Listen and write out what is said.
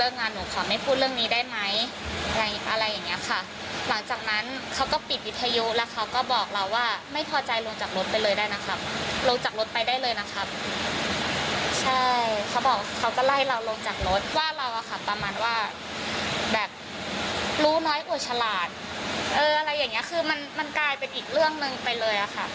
น้อยหัวฉลาดเอออะไรอย่างนี้คือมันกลายเป็นอีกเรื่องนึงไปเลยอะค่ะ